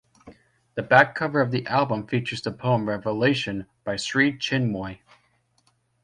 The back cover of the album features the poem "Revelation" by Sri Chinmoy.